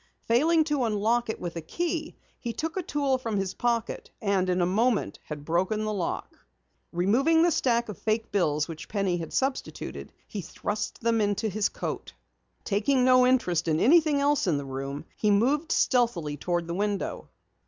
Failing to unlock it with a key, he took a tool from his pocket and in a moment had broken the lock. Removing the stack of fake bills which Penny had substituted, he thrust them into his coat. Taking no interest in anything else in the room, he moved stealthily toward the window.